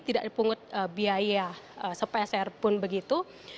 tidak dipungut biaya sepeser pun begitu